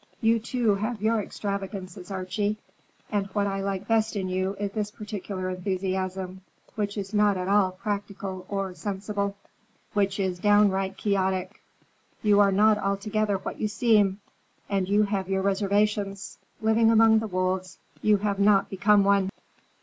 You, too, have your extravagances, Archie. And what I like best in you is this particular enthusiasm, which is not at all practical or sensible, which is downright Quixotic. You are not altogether what you seem, and you have your reservations. Living among the wolves, you have not become one.